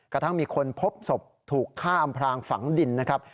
กระทั่งมีคนพบศพถูกฆ่าอำพลางฝังดินนะครับ